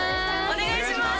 お願いします